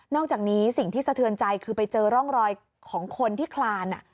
อกจากนี้สิ่งที่สะเทือนใจคือไปเจอร่องรอยของคนที่คลาน